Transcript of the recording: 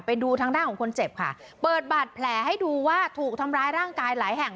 ไปดูทางด้านของคนเจ็บค่ะเปิดบาดแผลให้ดูว่าถูกทำร้ายร่างกายหลายแห่ง